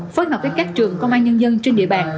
phối hợp với các trường công an nhân dân trên địa bàn